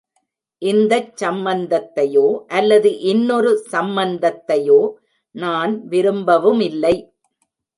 இந்தச் சம்மந்தத்தையோ அல்லது இன்னொரு சம்மந்தத்தையோ நான் விரும்பவுமில்லை.